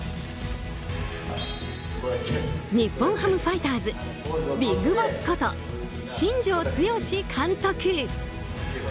日本ハムファイターズＢＩＧＢＯＳＳこと新庄剛志監督。